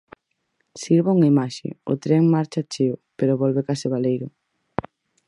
Sirva unha imaxe: o tren marcha cheo, pero volve case baleiro.